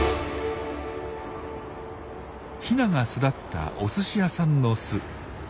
ヒナが巣立ったおすし屋さんの巣。